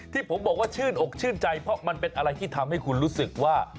ที่ผมบอกว่าชื่นอกชื่นใจเพราะมันเป็นอะไรที่ทำให้คุณรู้สึกว่า